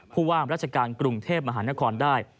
ผู้ว่ามราชการกรุงเทพมหานครได้